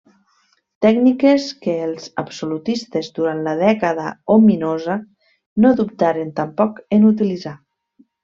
Tècniques que els absolutistes durant la Dècada Ominosa no dubtaren tampoc en utilitzar.